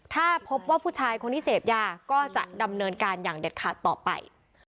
ถ้าพบว่าผู้ชายคนนี้เสพยาก็จะดำเนินการอย่างเด็ดขาดต่อไป